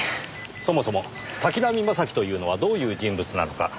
そもそも滝浪正輝というのはどういう人物なのか。